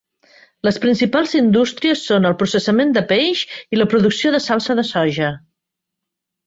Les principals indústries són el processament de peix i la producció de salsa de soja.